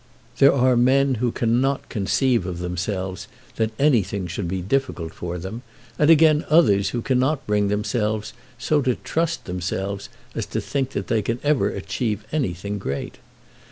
There are men who cannot conceive of themselves that anything should be difficult for them, and again others who cannot bring themselves so to trust themselves as to think that they can ever achieve anything great.